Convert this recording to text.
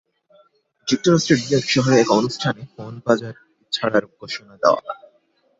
যুক্তরাষ্ট্রের নিউইয়র্ক শহরে এক অনুষ্ঠানে ফোন বাজারে ছাড়ার ঘোষণা দেওয়া হয়।